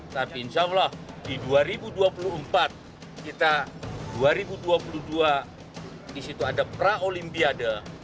tapi insya allah di dua ribu dua puluh empat kita dua ribu dua puluh dua di situ ada pra olimpiade